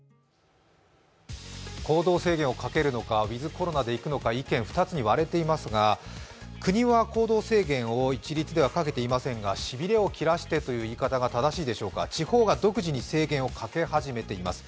行動制限をかけるのかウィズ・コロナでいくのか意見２つに割れていますが国は行動制限を一律ではかけていませんがしびれを切らしてという言い方が正しいでしょうか、地方が独自に制限をかけ始めています。